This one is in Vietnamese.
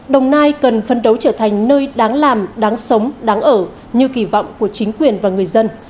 đồng nai cần phân đấu trở thành nơi đáng làm đáng sống đáng ở như kỳ vọng của chính quyền và người dân